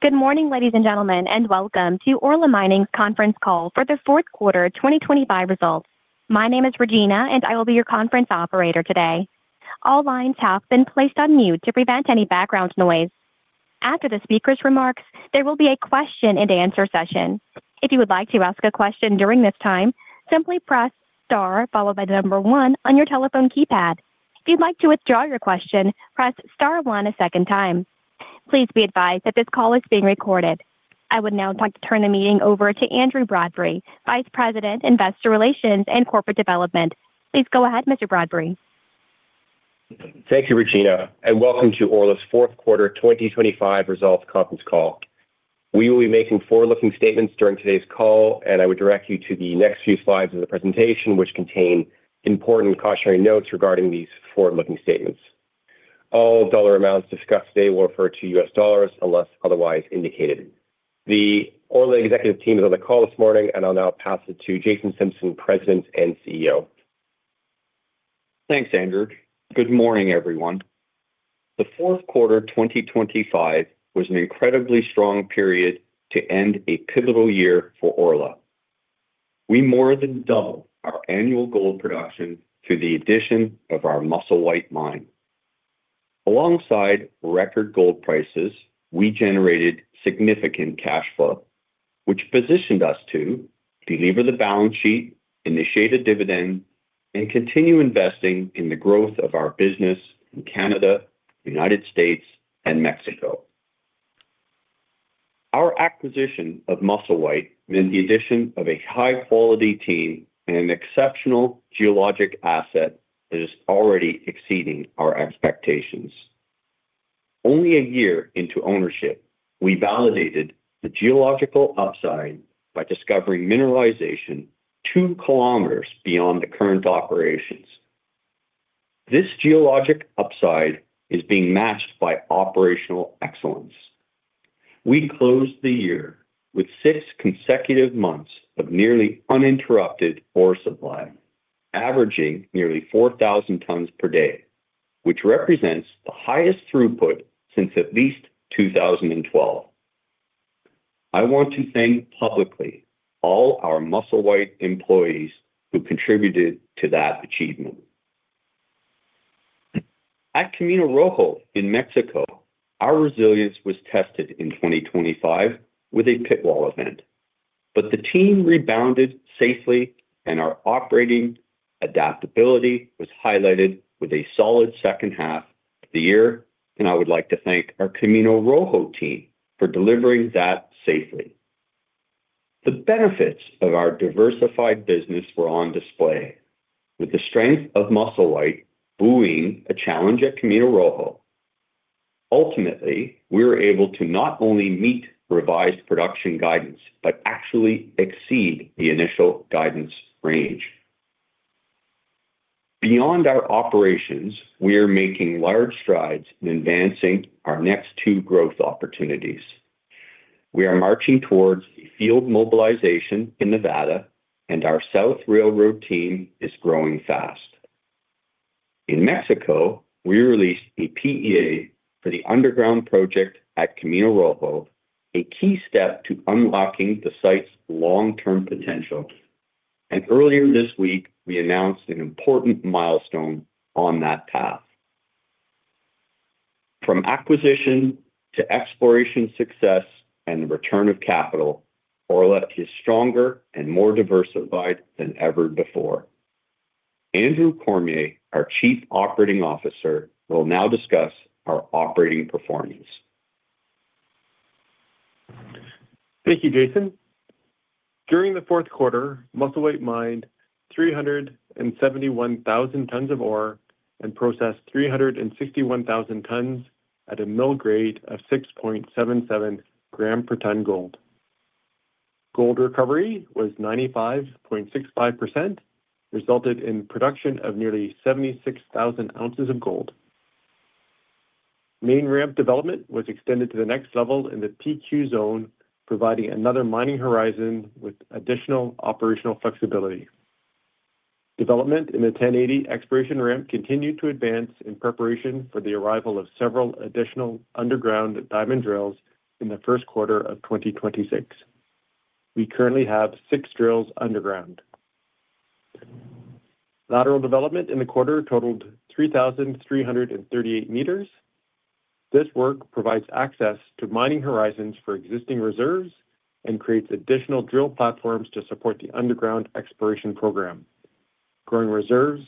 Good morning, ladies and gentlemen, and welcome to Orla Mining's conference call for the fourth quarter 2025 results. My name is Regina, and I will be your conference operator today. All lines have been placed on mute to prevent any background noise. After the speaker's remarks, there will be a question and answer session. If you would like to ask a question during this time, simply press star followed by the number one on your telephone keypad. If you'd like to withdraw your question, press star one a second time. Please be advised that this call is being recorded. I would now like to turn the meeting over to Andrew Bradbury, Vice President, Investor Relations and Corporate Development. Please go ahead, Mr. Bradbury. Thank you, Regina, and welcome to Orla's fourth quarter 2025 results conference call. We will be making forward-looking statements during today's call, and I would direct you to the next few slides of the presentation, which contain important cautionary notes regarding these forward-looking statements. All dollar amounts discussed today will refer to US dollars unless otherwise indicated. The Orla executive team is on the call this morning, and I'll now pass it to Jason Simpson, President and CEO. Thanks, Andrew. Good morning, everyone. The fourth quarter 2025 was an incredibly strong period to end a pivotal year for Orla. We more than doubled our annual gold production through the addition of our Musselwhite Mine. Alongside record gold prices, we generated significant cash flow, which positioned us to delever the balance sheet, initiate a dividend, and continue investing in the growth of our business in Canada, the United States, and Mexico. Our acquisition of Musselwhite meant the addition of a high-quality team and an exceptional geologic asset that is already exceeding our expectations. Only a year into ownership, we validated the geological upside by discovering mineralization 2 km beyond the current operations. This geologic upside is being matched by operational excellence. We closed the year with six consecutive months of nearly uninterrupted ore supply, averaging nearly 4,000 tpd, which represents the highest throughput since at least 2012. I want to thank publicly all our Musselwhite employees who contributed to that achievement. At Camino Rojo in Mexico, our resilience was tested in 2025 with a pit wall event. The team rebounded safely, and our operating adaptability was highlighted with a solid second half of the year, and I would like to thank our Camino Rojo team for delivering that safely. The benefits of our diversified business were on display with the strength of Musselwhite buoying a challenge at Camino Rojo. Ultimately, we were able to not only meet revised production guidance but actually exceed the initial guidance range. Beyond our operations, we are making large strides in advancing our next two growth opportunities. We are marching towards field mobilization in Nevada, and our South Carlin team is growing fast. In Mexico, we released a PEA for the underground project at Camino Rojo, a key step to unlocking the site's long-term potential. Earlier this week, we announced an important milestone on that path. From acquisition to exploration success and the return of capital, Orla is stronger and more diversified than ever before. Andrew Cormier, our Chief Operating Officer, will now discuss our operating performance. Thank you, Jason. During the fourth quarter, Musselwhite mined 371,000 tons of ore and processed 361,000 tons at a mill grade of 6.77 g/t Au. Gold recovery was 95.65%, resulting in production of nearly 76,000 oz of gold. Main ramp development was extended to the next level in the PQ Zone, providing another mining horizon with additional operational flexibility. Development in the 1080 exploration ramp continued to advance in preparation for the arrival of several additional underground diamond drills in the first quarter of 2026. We currently have six drills underground. Lateral development in the quarter totaled 3,338 m. This work provides access to mining horizons for existing reserves and creates additional drill platforms to support the underground exploration program, growing reserves,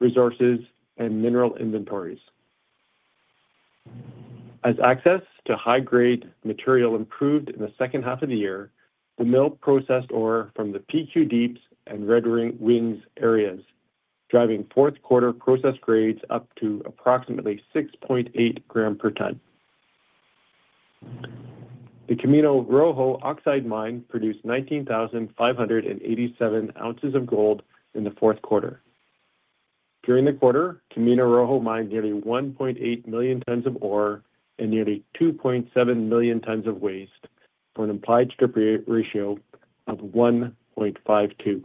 resources, and mineral inventories. As access to high-grade material improved in the second half of the year, the mill processed ore from the PQ Deeps and Red Wings areas, driving fourth quarter processed grades up to approximately 6.8 g/t. The Camino Rojo oxide mine produced 19,587 oz of gold in the fourth quarter. During the quarter, Camino Rojo mined nearly 1.8 million tons of ore and nearly 2.7 million tons of waste for an implied strip ratio of 1.52.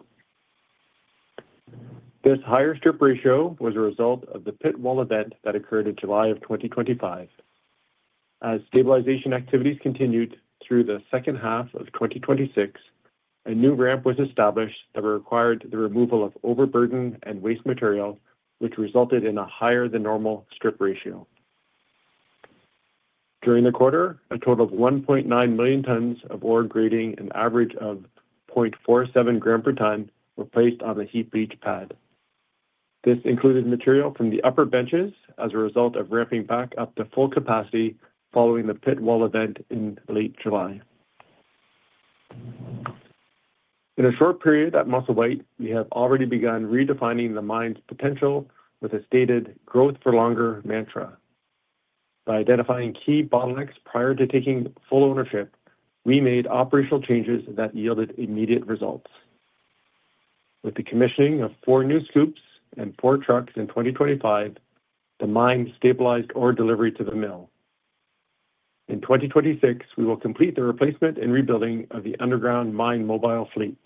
This higher strip ratio was a result of the pit wall event that occurred in July of 2025. As stabilization activities continued through the second half of 2026, a new ramp was established that required the removal of overburden and waste material, which resulted in a higher than normal strip ratio. During the quarter, a total of 1.9 million tons of ore grading an average of 0.47 gram per ton were placed on the heap leach pad. This included material from the upper benches as a result of ramping back up to full capacity following the pit wall event in late July. In a short period at Musselwhite, we have already begun redefining the mine's potential with a stated growth for longer mantra. By identifying key bottlenecks prior to taking full ownership, we made operational changes that yielded immediate results. With the commissioning of four new scoops and four trucks in 2025, the mine stabilized ore delivery to the mill. In 2026, we will complete the replacement and rebuilding of the underground mine mobile fleet.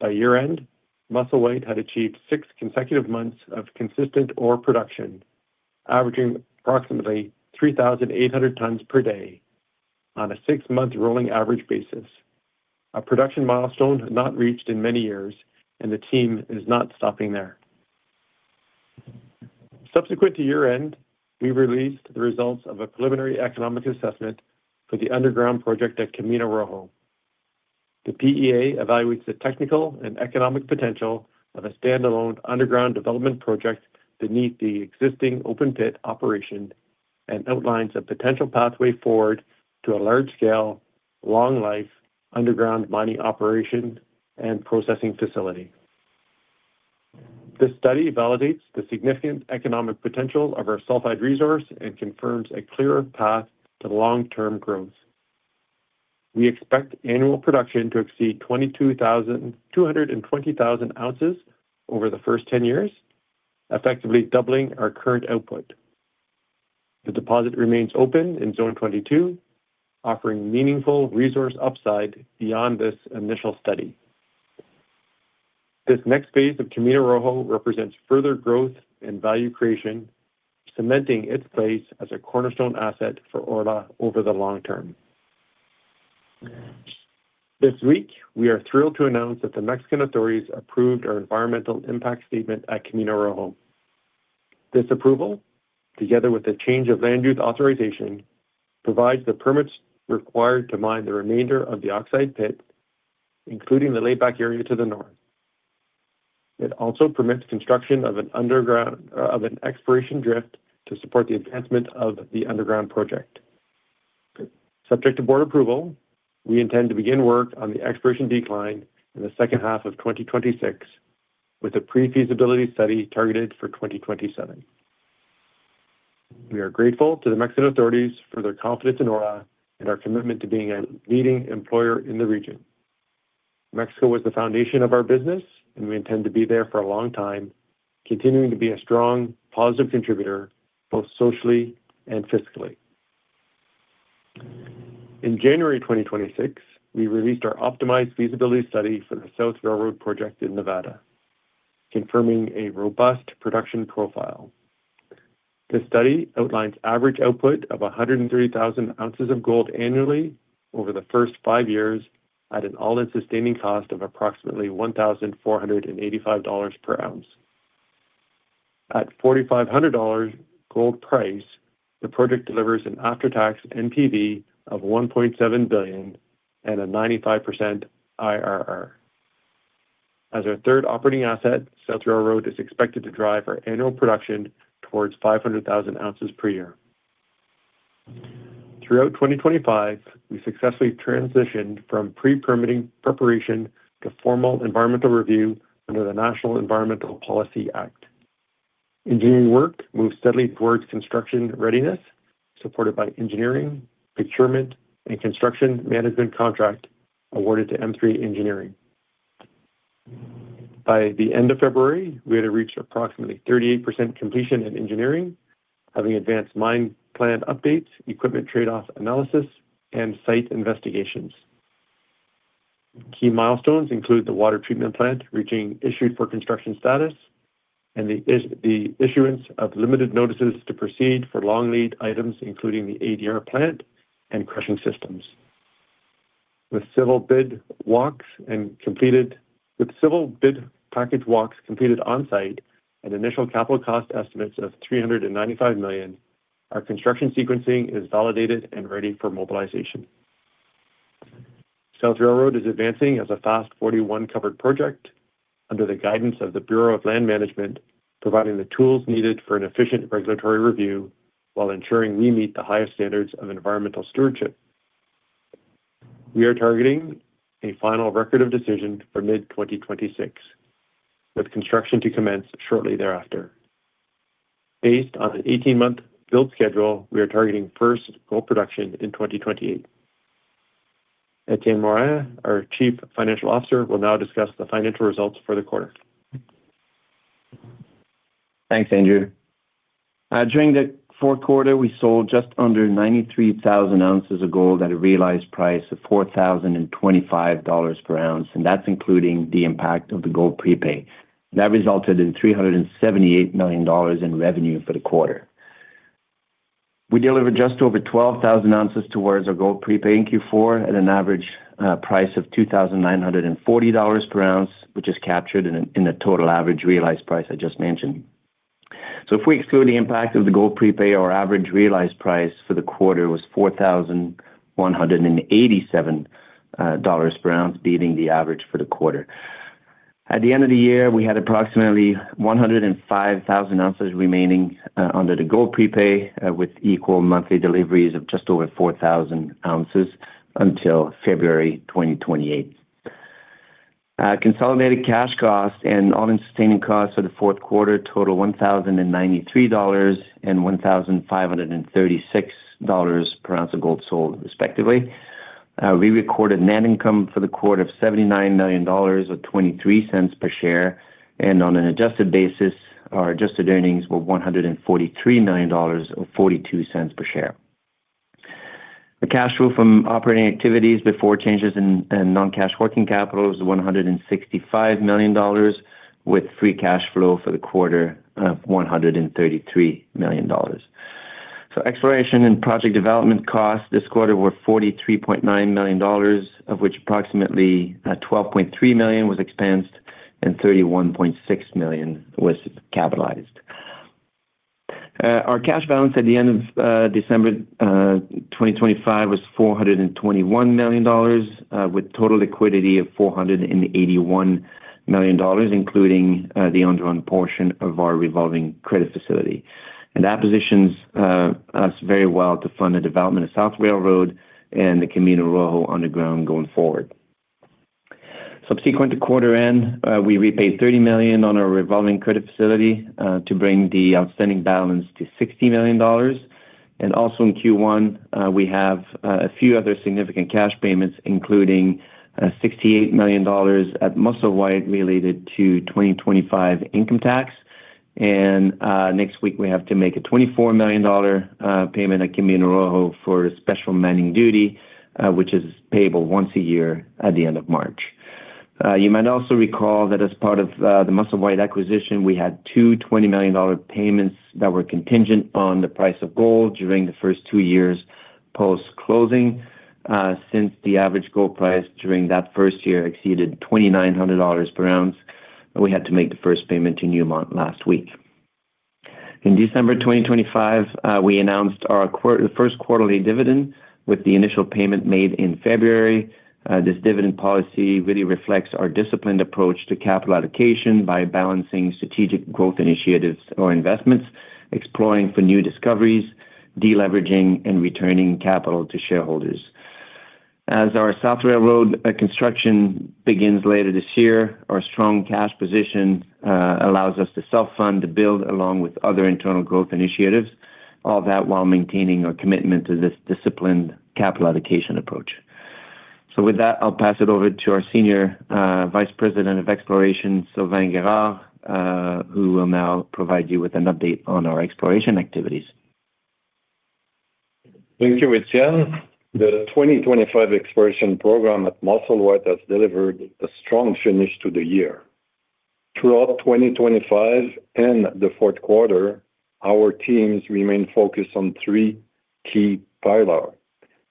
By year-end, Musselwhite had achieved six consecutive months of consistent ore production, averaging approximately 3,800 tpd on a six-month rolling average basis. A production milestone not reached in many years, and the team is not stopping there. Subsequent to year-end, we released the results of a preliminary economic assessment for the underground project at Camino Rojo. The PEA evaluates the technical and economic potential of a standalone underground development project beneath the existing open pit operation and outlines a potential pathway forward to a large scale, long life underground mining operation and processing facility. This study validates the significant economic potential of our sulfide resource and confirms a clearer path to long-term growth. We expect annual production to exceed 220,000 oz over the first 10 years, effectively doubling our current output. The deposit remains open in Zone 22, offering meaningful resource upside beyond this initial study. This next phase of Camino Rojo represents further growth and value creation, cementing its place as a cornerstone asset for Orla over the long term. This week, we are thrilled to announce that the Mexican authorities approved our environmental impact statement at Camino Rojo. This approval, together with the change of land use authorization, provides the permits required to mine the remainder of the oxide pit, including the layback area to the north. It also permits construction of an underground exploration drift to support the advancement of the underground project. Subject to board approval, we intend to begin work on the exploration decline in the second half of 2026, with a pre-feasibility study targeted for 2027. We are grateful to the Mexican authorities for their confidence in Orla and our commitment to being a leading employer in the region. Mexico was the foundation of our business, and we intend to be there for a long time, continuing to be a strong positive contributor both socially and fiscally. In January 2026, we released our optimized feasibility study for the South Railroad Project in Nevada, confirming a robust production profile. This study outlines average output of 103,000 oz of gold annually over the first five years at an all-in sustaining cost of approximately $1,485 /oz. At $4,500 gold price, the project delivers an after-tax NPV of $1.7 billion and a 95% IRR. Our third operating asset, South Railroad, is expected to drive our annual production towards 500,000 oz per year. Throughout 2025, we successfully transitioned from pre-permitting preparation to formal environmental review under the National Environmental Policy Act. Engineering work moved steadily towards construction readiness, supported by engineering, procurement, and construction management contract awarded to M3 Engineering. By the end of February, we had reached approximately 38% completion in engineering, having advanced mine plan updates, equipment trade-off analysis, and site investigations. Key milestones include the water treatment plant reaching issued for construction status and the issuance of limited notices to proceed for long lead items, including the ADR plant and crushing systems. With civil bid package walks completed on-site and initial capital cost estimates of $395 million, our construction sequencing is validated and ready for mobilization. South Railroad is advancing as a FAST-41 covered project under the guidance of the Bureau of Land Management, providing the tools needed for an efficient regulatory review while ensuring we meet the highest standards of environmental stewardship. We are targeting a final Record of Decision for mid-2026, with construction to commence shortly thereafter. Based on an 18-month build schedule, we are targeting first gold production in 2028. Etienne Morin, our Chief Financial Officer, will now discuss the financial results for the quarter. Thanks, Andrew. During the fourth quarter, we sold just under 93,000 oz of gold at a realized price of $4,025 /oz, and that's including the impact of the gold prepay. That resulted in $378 million in revenue for the quarter. We delivered just over 12,000 oz towards our gold prepay in Q4 at an average price of $2,940 /oz, which is captured in the total average realized price I just mentioned. If we exclude the impact of the gold prepay, our average realized price for the quarter was $4,187 /oz, beating the average for the quarter. At the end of the year, we had approximately 105,000 oz remaining under the gold prepay with equal monthly deliveries of just over 4,000 oz until February 2028. Consolidated cash costs and all-in sustaining costs for the fourth quarter total $1,093 and $1,536 /oz of gold sold, respectively. We recorded net income for the quarter of $79 million or $0.23 per share, and on an adjusted basis, our adjusted earnings were $143 million or $0.42 per share. The cash flow from operating activities before changes in non-cash working capital is $165 million with free cash flow for the quarter of $133 million. Exploration and project development costs this quarter were $43.9 million, of which approximately 12.3 million was expensed and $31.6 million was capitalized. Our cash balance at the end of December 2025 was $421 million, with total liquidity of $481 million, including the undrawn portion of our revolving credit facility. That positions us very well to fund the development of South Railroad and the Camino Rojo underground going forward. Subsequent to quarter end, we repaid $30 million on our revolving credit facility to bring the outstanding balance to $60 million. Also in Q1, we have a few other significant cash payments, including $68 million at Musselwhite related to 2025 income tax. Next week, we have to make a $24 million payment at Camino Rojo for Special Mining Duty, which is payable once a year at the end of March. You might also recall that as part of the Musselwhite acquisition, we had two $20 million payments that were contingent on the price of gold during the first two years post-closing. Since the average gold price during that first year exceeded $2,900 /oz, we had to make the first payment to Newmont last week. In December 2025, we announced our first quarterly dividend with the initial payment made in February. This dividend policy really reflects our disciplined approach to capital allocation by balancing strategic growth initiatives or investments, exploring for new discoveries, de-leveraging and returning capital to shareholders. As our South Railroad construction begins later this year, our strong cash position allows us to self-fund the build along with other internal growth initiatives, all that while maintaining our commitment to this disciplined capital allocation approach. With that, I'll pass it over to our Senior Vice President of Exploration, Sylvain Guerard, who will now provide you with an update on our exploration activities. Thank you, Etienne. The 2025 exploration program at Musselwhite has delivered a strong finish to the year. Throughout 2025 and the fourth quarter, our teams remain focused on three key pillars,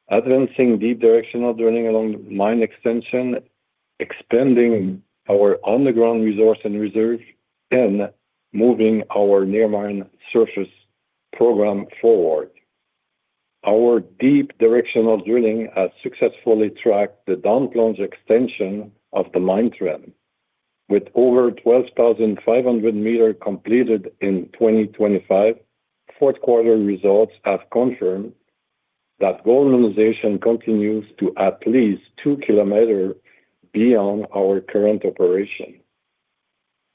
advancing deep directional drilling along mine extension, expanding our underground resource and reserve, and moving our near mine surface program forward. Our deep directional drilling has successfully tracked the down plunge extension of the mine trend. With over 12,500 m completed in 2025, fourth quarter results have confirmed that gold mineralization continues to at least 2 km beyond our current operation.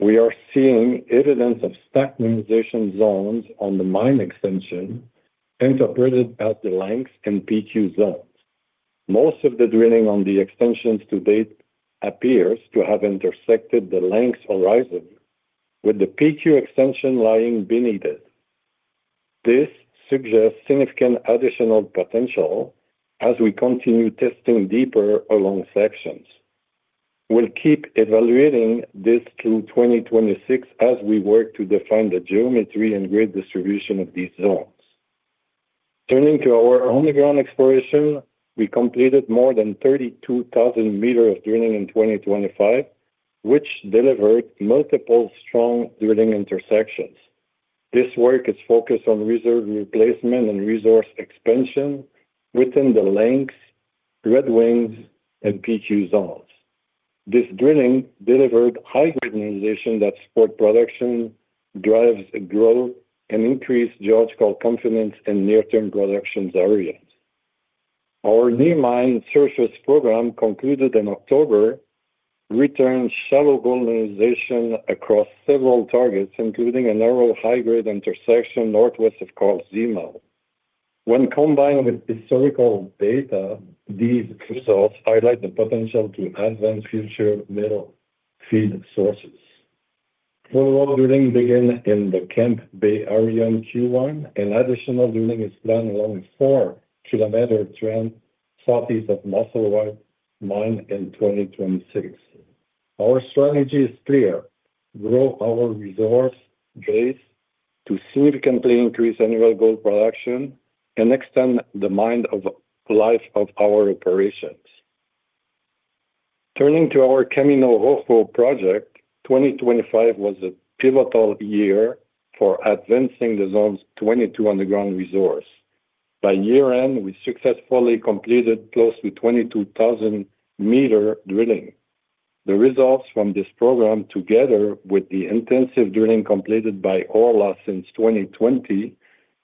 We are seeing evidence of stockwork mineralization zones on the mine extension interpreted as the lenses in PQ zones. Most of the drilling on the extensions to date appears to have intersected the lenses horizon, with the PQ extension lying beneath it. This suggests significant additional potential as we continue testing deeper along sections. We'll keep evaluating this through 2026 as we work to define the geometry and grade distribution of these zones. Turning to our underground exploration, we completed more than 32,000 m of drilling in 2025, which delivered multiple strong drilling intersections. This work is focused on reserve replacement and resource expansion within the lenses, Red Wings, and PQ zones. This drilling delivered high-grade realization that support production, drives growth, and increased geological confidence in near-term production areas. Our near mine surface program concluded in October returned shallow gold mineralization across several targets, including a narrow, high-grade intersection northwest of Karl Zeemal. When combined with historical data, these results highlight the potential to advance future mill feed sources. Follow-up drilling began in the Camp Bay area in Q1, and additional drilling is planned along 4-km trend southeast of Musselwhite Mine in 2026. Our strategy is clear: grow our resource base to significantly increase annual gold production and extend the mine life of our operations. Turning to our Camino Rojo project, 2025 was a pivotal year for advancing the Zone 22 underground resource. By year-end, we successfully completed close to 22,000-m drilling. The results from this program, together with the intensive drilling completed by Orla since 2020,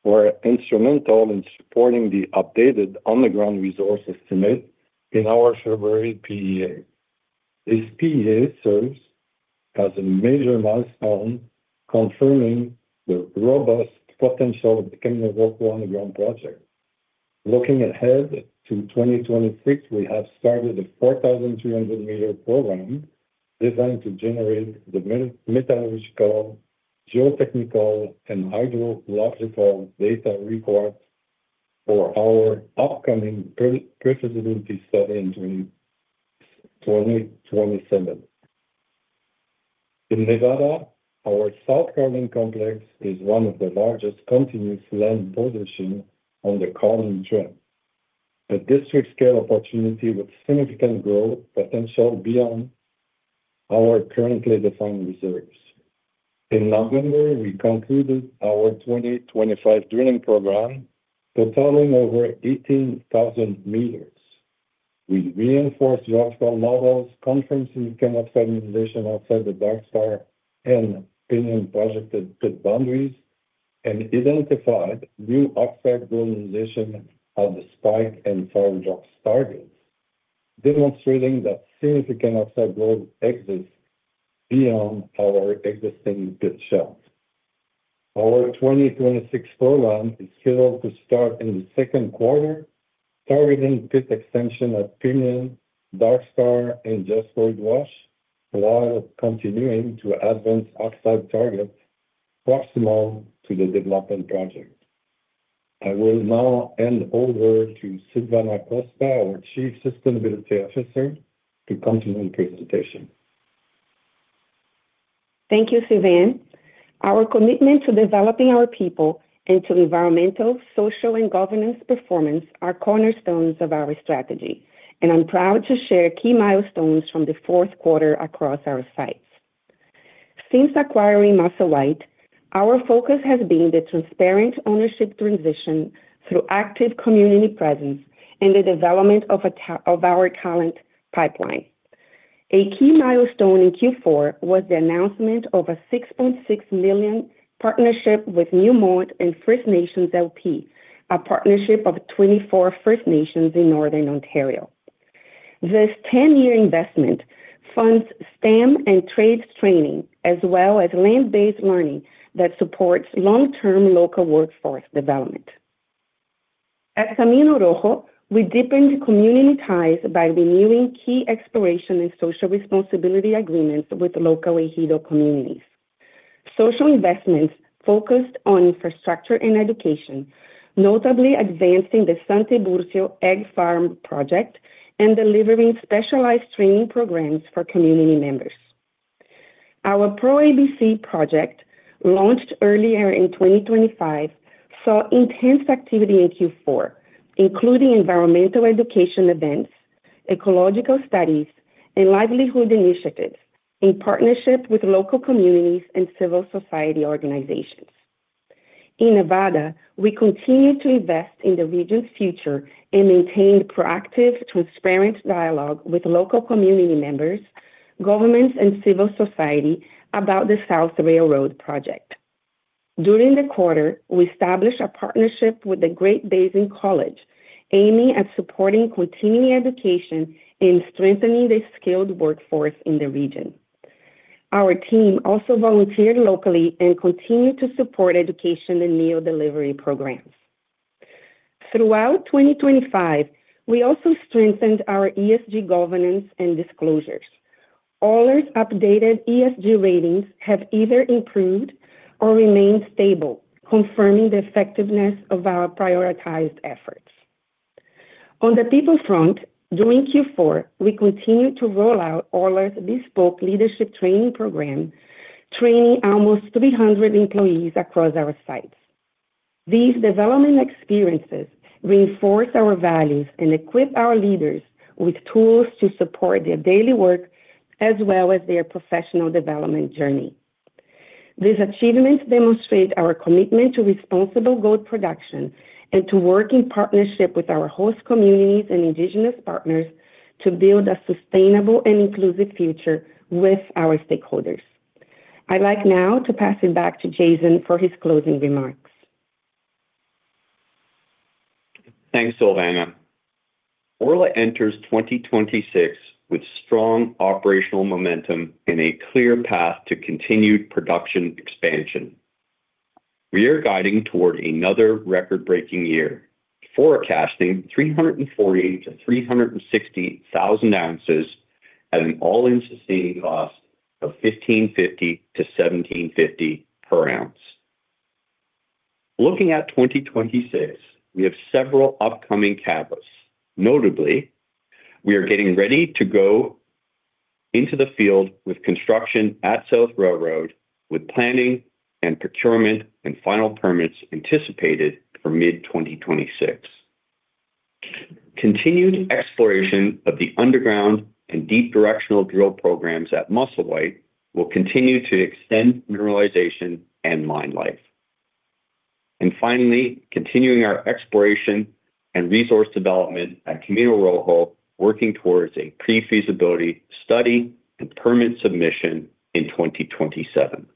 were instrumental in supporting the updated underground resource estimate in our February PEA. This PEA serves as a major milestone, confirming the robust potential of the Camino Rojo underground project. Looking ahead to 2026, we have started a 4,300-m program designed to generate the metallurgical, geotechnical, and hydrogeological data required for our upcoming pre-feasibility study in 2027. In Nevada, our South Carlin Complex is one of the largest continuous land positions on the Carlin Trend, a district-scale opportunity with significant growth potential beyond our currently defined reserves. In November, we concluded our 2025 drilling program, totaling over 18,000 m. We reinforced geological models, confirming economic mineralization outside the Darkstar and Pinion projected pit boundaries, and identified new oxide mineralization of the Spike and Far Drop targets, demonstrating that significant oxide gold exists beyond our existing pit shells. Our 2026 program is scheduled to start in the second quarter, targeting pit extension at Pinion, Darkstar, and Jasperoid Wash, while continuing to advance oxide targets proximal to the development project. I will now hand over to Silvana Costa, our Chief Sustainability Officer, to continue the presentation. Thank you, Sylvain. Our commitment to developing our people and to environmental, social, and governance performance are cornerstones of our strategy, and I'm proud to share key milestones from the fourth quarter across our sites. Since acquiring Musselwhite, our focus has been the transparent ownership transition through active community presence and the development of our talent pipeline. A key milestone in Q4 was the announcement of a $6.6 million partnership with Newmont and First Nations LP, a partnership of 24 First Nations in northern Ontario. This 10-year investment funds STEM and trades training, as well as land-based learning that supports long-term local workforce development. At Camino Rojo, we deepened community ties by renewing key exploration and social responsibility agreements with local ejido communities. Social investments focused on infrastructure and education, notably advancing the San Tiburcio egg farm project and delivering specialized training programs for community members. Our PRO-ABC Project, launched earlier in 2025, saw intense activity in Q4, including environmental education events, ecological studies, and livelihood initiatives in partnership with local communities and civil society organizations. In Nevada, we continue to invest in the region's future and maintain proactive, transparent dialogue with local community members, governments, and civil society about the South Carlin project. During the quarter, we established a partnership with the Great Basin College, aiming at supporting continuing education and strengthening the skilled workforce in the region. Our team also volunteered locally and continued to support education and meal delivery programs. Throughout 2025, we also strengthened our ESG governance and disclosures. All our updated ESG ratings have either improved or remained stable, confirming the effectiveness of our prioritized efforts. On the people front, during Q4, we continued to roll out all our bespoke leadership training program, training almost 300 employees across our sites. These development experiences reinforce our values and equip our leaders with tools to support their daily work as well as their professional development journey. These achievements demonstrate our commitment to responsible gold production and to work in partnership with our host communities and indigenous partners to build a sustainable and inclusive future with our stakeholders. I'd like now to pass it back to Jason for his closing remarks. Thanks, Silvana. Orla enters 2026 with strong operational momentum and a clear path to continued production expansion. We are guiding toward another record-breaking year, forecasting 340,000-360,000 oz at an all-in sustaining cost of $1,550-$1,750 /oz. Looking at 2026, we have several upcoming catalysts. Notably, we are getting ready to go into the field with construction at South Carlin, with planning and procurement and final permits anticipated for mid-2026. Continued exploration of the underground and deep directional drill programs at Musselwhite will continue to extend mineralization and mine life. Finally, continuing our exploration and resource development at Camino Rojo, working towards a pre-feasibility study and permit submission in 2027.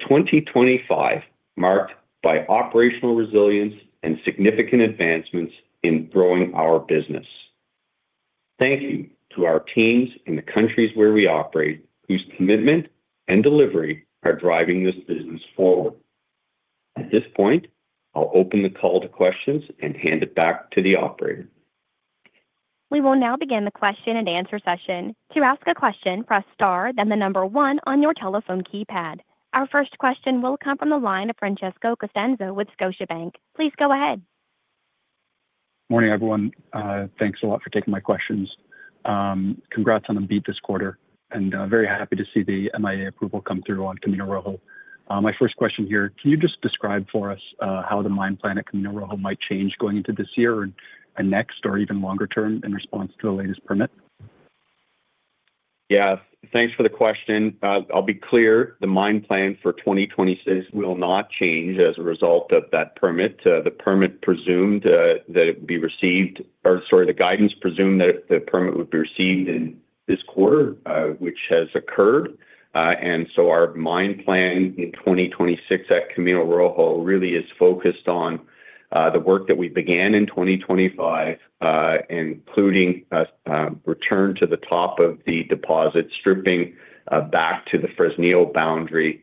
2025 marked by operational resilience and significant advancements in growing our business. Thank you to our teams in the countries where we operate, whose commitment and delivery are driving this business forward. At this point, I'll open the call to questions and hand it back to the operator. We will now begin the question and answer session. To ask a question, press star, then the number one on your telephone keypad. Our first question will come from the line of Francesco Costanzo with Scotiabank. Please go ahead. Morning, everyone. Thanks a lot for taking my questions. Congrats on the beat this quarter and, very happy to see the MIA approval come through on Camino Rojo. My first question here, can you just describe for us, how the mine plan at Camino Rojo might change going into this year and next or even longer term in response to the latest permit? Yeah. Thanks for the question. I'll be clear, the mine plan for 2026 will not change as a result of that permit. The guidance presumed that the permit would be received in this quarter, which has occurred. Our mine plan in 2026 at Camino Rojo really is focused on the work that we began in 2025, including a return to the top of the deposit stripping back to the Fresnillo boundary.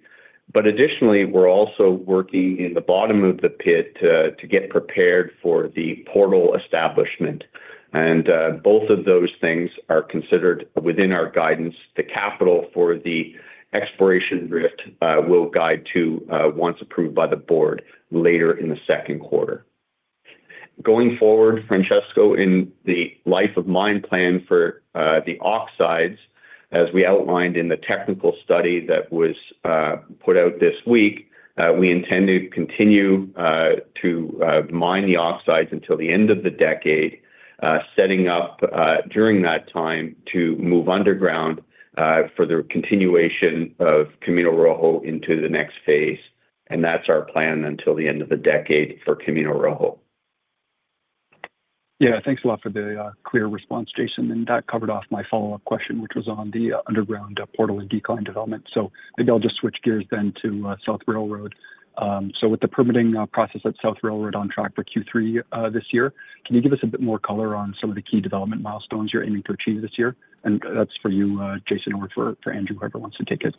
Additionally, we're also working in the bottom of the pit to get prepared for the portal establishment. Both of those things are considered within our guidance. The capital for the exploration drift we'll guide to once approved by the board later in the second quarter. Going forward, Francesco, in the life of mine plan for the oxides, as we outlined in the technical study that was put out this week, we intend to continue to mine the oxides until the end of the decade, setting up during that time to move underground for the continuation of Camino Rojo into the next phase. That's our plan until the end of the decade for Camino Rojo. Yeah. Thanks a lot for the clear response, Jason. That covered off my follow-up question, which was on the underground portal and decline development. Maybe I'll just switch gears then to South Railroad. With the permitting process at South Railroad on track for Q3 this year, can you give us a bit more color on some of the key development milestones you're aiming to achieve this year? That's for you, Jason, or for Andrew, whoever wants to take it.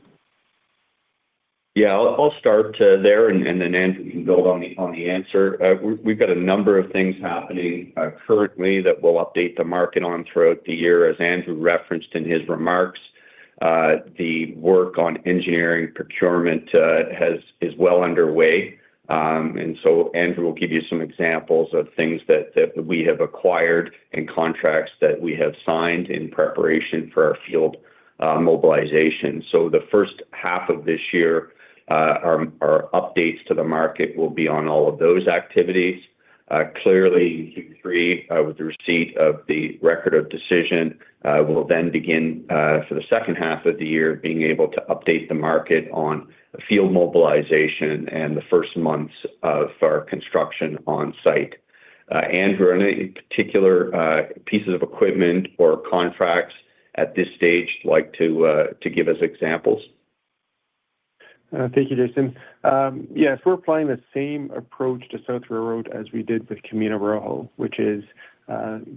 Yeah. I'll start there and then Andrew can build on the answer. We've got a number of things happening currently that we'll update the market on throughout the year. As Andrew referenced in his remarks, the work on engineering procurement is well underway. Andrew will give you some examples of things that we have acquired and contracts that we have signed in preparation for our field mobilization. The first half of this year, our updates to the market will be on all of those activities. Clearly Q3 with the receipt of the Record of Decision will then begin for the second half of the year being able to update the market on field mobilization and the first months of our construction on site. Andrew, are there any particular pieces of equipment or contracts at this stage you'd like to give as examples? Thank you, Jason. Yes, we're applying the same approach to South Carlin as we did with Camino Rojo, which is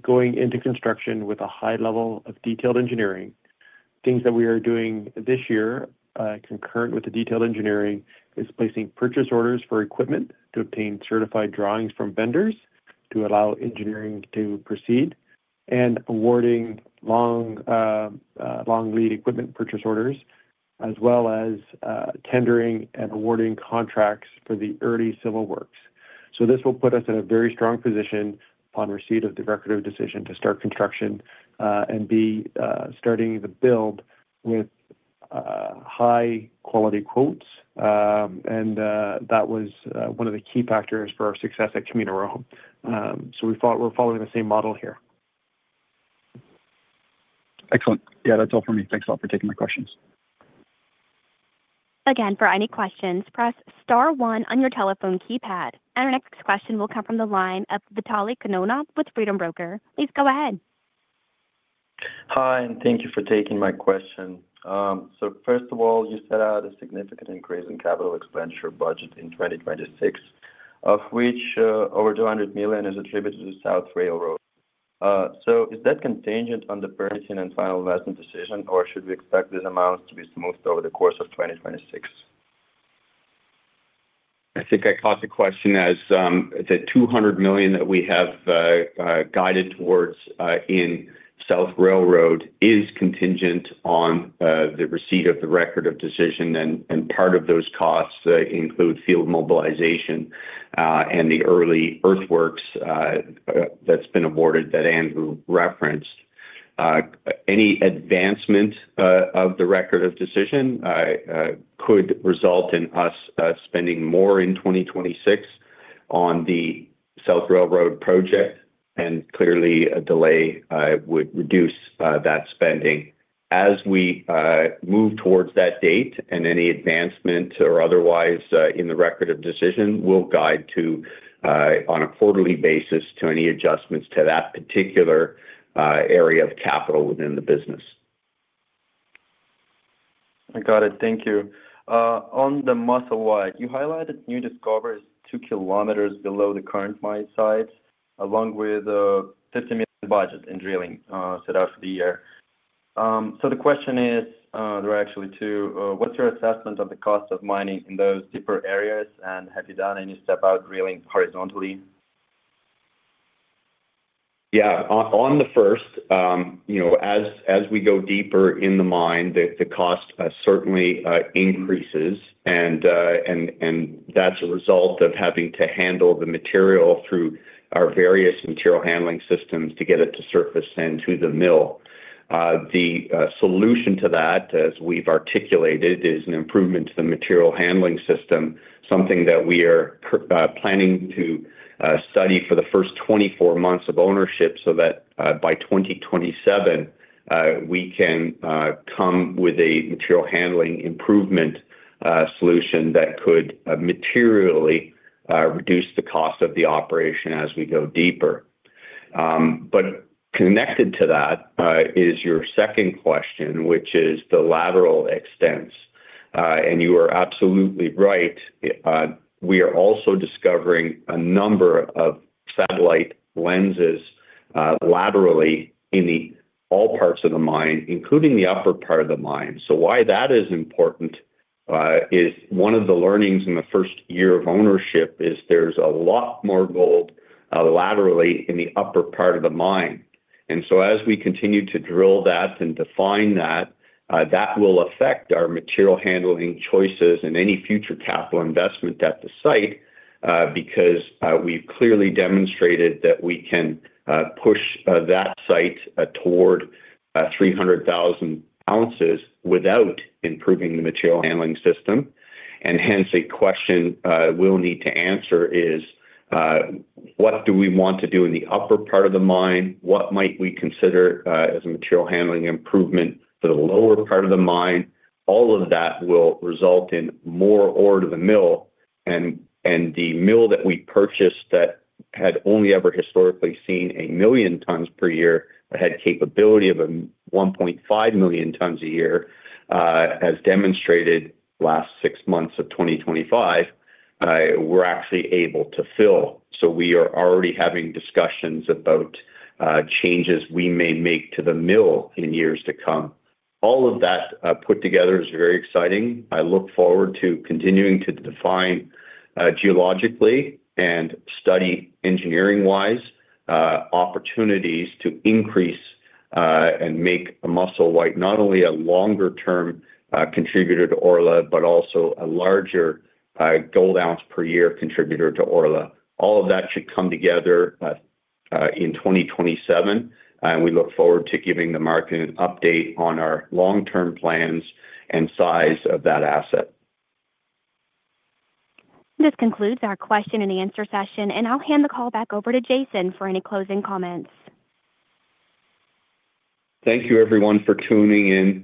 going into construction with a high level of detailed engineering. Things that we are doing this year, concurrent with the detailed engineering, is placing purchase orders for equipment to obtain certified drawings from vendors to allow engineering to proceed and awarding long lead equipment purchase orders, as well as tendering and awarding contracts for the early civil works. This will put us in a very strong position upon receipt of the Record of Decision to start construction and be starting the build with high quality quotes. That was one of the key factors for our success at Camino Rojo. We thought we're following the same model here. Excellent. Yeah, that's all for me. Thanks a lot for taking my questions. Again, for any questions, press star one on your telephone keypad. Our next question will come from the line of Vitaly Kononov with Freedom Broker. Please go ahead. Hi, and thank you for taking my question. First of all, you set out a significant increase in capital expenditure budget in 2026, of which, over $200 million is attributed to South Carlin. Is that contingent on the permitting and final investment decision, or should we expect this amount to be smoothed over the course of 2026? I think I caught the question as the $200 million that we have guided towards in South Railroad is contingent on the receipt of the Record of Decision and part of those costs include field mobilization and the early earthworks that's been awarded that Andrew referenced. Any advancement of the Record of Decision could result in us spending more in 2026 on the South Railroad Project. Clearly a delay would reduce that spending. As we move towards that date and any advancement or otherwise in the Record of Decision, we'll guide to on a quarterly basis to any adjustments to that particular area of capital within the business. I got it. Thank you. On the Musselwhite, you highlighted new discoveries 2 km below the current mine sites, along with a $50 million budget in drilling, set out for the year. The question is, there are actually two. What's your assessment of the cost of mining in those deeper areas, and have you done any step-out drilling horizontally? On the first, you know, as we go deeper in the mine, the cost certainly increases. That's a result of having to handle the material through our various material handling systems to get it to surface and to the mill. The solution to that, as we've articulated, is an improvement to the material handling system, something that we are planning to study for the first 24 months of ownership so that by 2027 we can come with a material handling improvement solution that could materially reduce the cost of the operation as we go deeper. Connected to that is your second question, which is the lateral extents. You are absolutely right. We are also discovering a number of satellite lenses, laterally in all parts of the mine, including the upper part of the mine. Why that is important is one of the learnings in the first year of ownership is there's a lot more gold, laterally in the upper part of the mine. As we continue to drill that and define that will affect our material handling choices and any future capital investment at the site, because we've clearly demonstrated that we can push that site toward 300,000 oz without improving the material handling system. A question we'll need to answer is, what do we want to do in the upper part of the mine? What might we consider as a material handling improvement to the lower part of the mine? All of that will result in more ore to the mill. The mill that we purchased that had only ever historically seen 1 million tpa, but had capability of 1.5 million tpa, has demonstrated, last six months of 2025, we're actually able to fill. We are already having discussions about changes we may make to the mill in years to come. All of that put together is very exciting. I look forward to continuing to define geologically and study engineering-wise opportunities to increase and make Musselwhite not only a longer term contributor to Orla, but also a larger gold ounce per year contributor to Orla. All of that should come together in 2027, and we look forward to giving the market an update on our long-term plans and size of that asset. This concludes our question and answer session, and I'll hand the call back over to Jason for any closing comments. Thank you everyone for tuning in.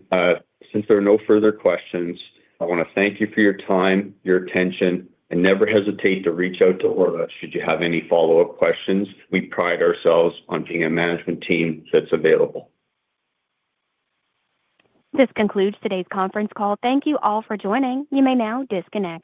Since there are no further questions, I wanna thank you for your time, your attention, and never hesitate to reach out to Orla should you have any follow-up questions. We pride ourselves on being a management team that's available. This concludes today's conference call. Thank you all for joining. You may now disconnect.